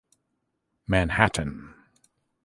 Manhattan.